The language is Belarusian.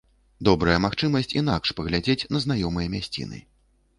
Добрая магчымасць інакш паглядзець на знаёмыя мясціны.